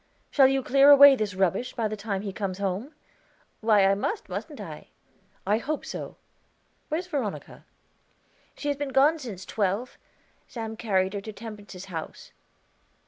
"Shall you clear away this rubbish by the time he comes home?" "Why, I must, mustn't I?" "I hope so. Where's Veronica?" "She has been gone since twelve; Sam carried her to Temperance's house."